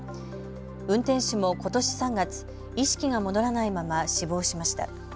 運転手もことし３月、意識が戻らないまま死亡しました。